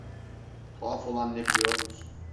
Tuhaf olan ne biliyor musun?